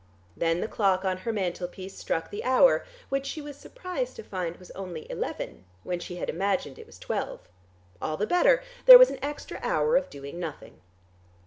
Then the clock on her mantelpiece struck the hour, which she was surprised to find was only eleven, when she had imagined it was twelve. All the better; there was an extra hour of doing nothing.